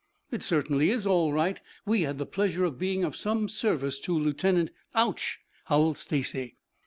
"It certainly is all right. We had the pleasure of being of some service to Lieutenant " "Ouch!" howled Stacy.